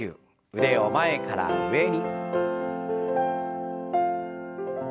腕を前から上に。